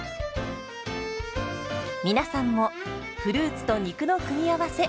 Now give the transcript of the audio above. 皆さんもフルーツと肉の組み合わせ